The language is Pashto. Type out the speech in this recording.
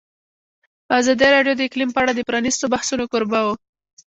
ازادي راډیو د اقلیم په اړه د پرانیستو بحثونو کوربه وه.